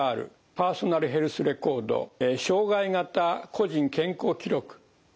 パーソナルヘルスレコード生涯型個人健康記録というようなものです。